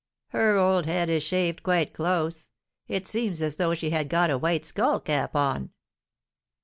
her old head is shaved quite close; it seems as though she had got a white skull cap on."